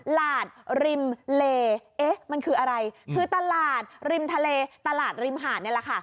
หลาดริมเลเอ๊ะมันคืออะไรคือตลาดริมทะเลตลาดริมหาดนี่แหละค่ะ